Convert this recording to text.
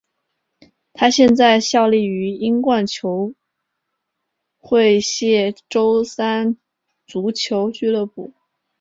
他现在效力于英冠球会谢周三足球俱乐部。